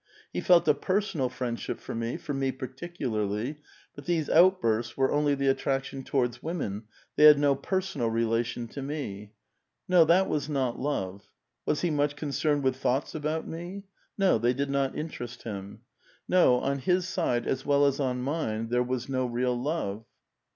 He felt a personal friendship for me, for me particularly ; but these outbursts were only the attraction towards woman ; they had no personal relation to me. No, that was not love. Was he much concerned with thoughts about me? No; they did not interest him. No, on his side, as well as on mine, there was no real love."